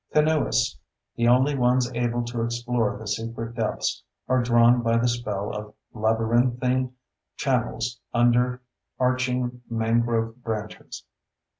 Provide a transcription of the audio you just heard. Canoeists, the only ones able to explore the secret depths, are drawn by the spell of labyrinthine channels under arching mangrove branches.